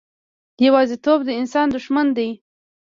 یوازیتوب د انسان دښمن دی.